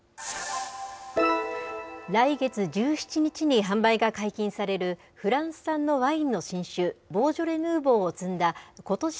来月１７日に販売が解禁されるフランス産のワインの新酒、ボージョレ・ヌーボーを積んだことし